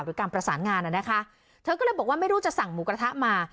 หรือการประสานงานอ่ะนะคะเธอก็เลยบอกว่าไม่รู้จะสั่งหมูกระทะมา